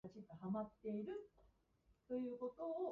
エストレマドゥーラ州の州都はメリダである